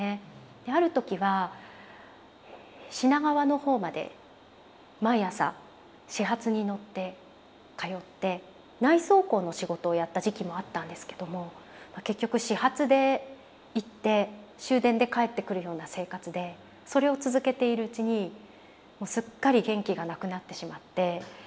である時は品川の方まで毎朝始発に乗って通って内装工の仕事をやった時期もあったんですけども結局始発で行って終電で帰ってくるような生活でそれを続けているうちにもうすっかり元気がなくなってしまって。